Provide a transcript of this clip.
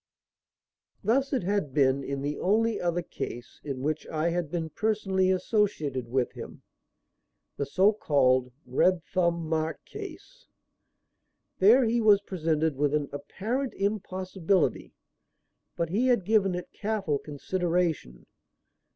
Thus it had been in the only other case in which I had been personally associated with him the so called "Red Thumb Mark" case. There he was presented with an apparent impossibility; but he had given it careful consideration.